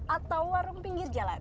atau warung pinggir jalan